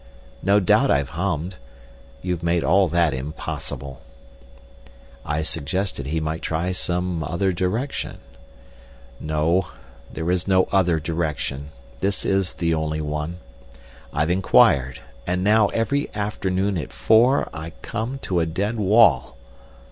No doubt I've hummed.... You've made all that impossible!" I suggested he might try some other direction. "No. There is no other direction. This is the only one. I've inquired. And now—every afternoon at four—I come to a dead wall."